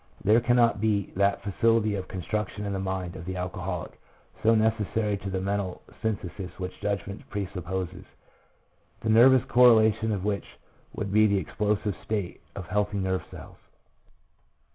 There cannot be that facility of construction in the mind of the alcoholic, so necessary to the mental synthesis which judgment presupposes, the nervous correlation of which would be the explosive state of healthy nerve cells.